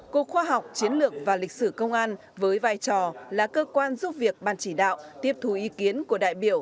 cục khoa học chiến lược và lịch sử công an với vai trò là cơ quan giúp việc ban chỉ đạo tiếp thù ý kiến của đại biểu